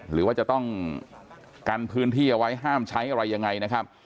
หรือว่าจะต้องกันพื้นที่เอาไว้ห้ามใช้อะไรยังไงนะครับ